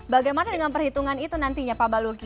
bagaimana dengan perhitungan itu nantinya pak baluki